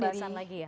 pembahasan lagi ya